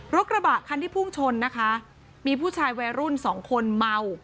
รถกระบะคันที่พุ่งชนนะคะมีผู้ชายวัยรุ่นสองคนเมา